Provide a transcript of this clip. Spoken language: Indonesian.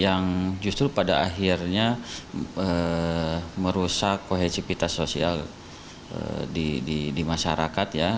yang justru pada akhirnya merusak kohesivitas sosial di masyarakat ya